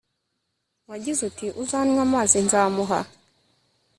wagize uti uzanywa amzi nzamuha